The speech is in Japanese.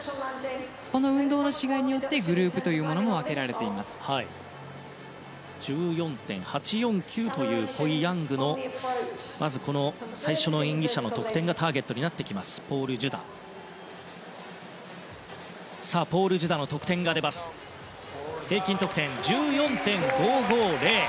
この運動の違いによってグループも分けられてきます。１４．８４９というコイ・ヤングのまず最初の演技者の得点がターゲットになってくるポール・ジュダの得点は平均得点、１４．５５０。